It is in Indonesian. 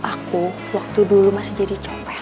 bos aku waktu dulu masih jadi copet